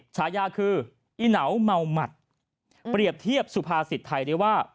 ฉายาคืออีเหนาเมาหมัดเปรียบเทียบสุภาษิตไทยได้ว่า